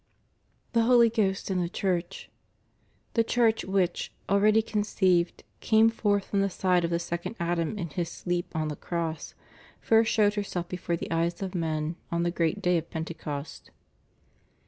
THE HOLY GHOST AND THE CHURCH. The Church which, already conceived, came forth from the side of the second Adam in His sleep on the cross, first showed herself before the eyes of men on the great day of Pentecost.